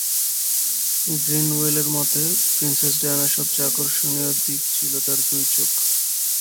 গ্রিনওয়েলের মতে, প্রিন্সেস ডায়ানার সবচেয়ে আকর্ষণীয় দিক ছিল তাঁর দুই চোখ।